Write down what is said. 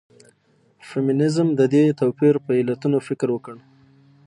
فيمنيزم د دې توپير پر علتونو فکر وکړ.